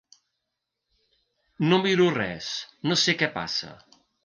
No miro res, no sé què passa.